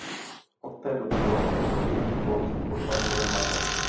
Od té doby bylo o jejích okolnostech odhaleno jen málo.